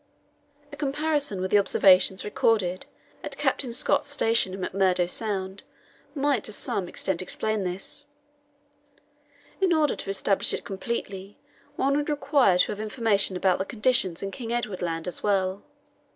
A comparison with the observations recorded at Captain Scott's station in McMurdo Sound might to some extent explain this. In order to establish it completely one would require to have information about the conditions in King Edward Land as well.